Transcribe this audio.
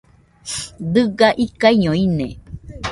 Dɨga ikaiño ine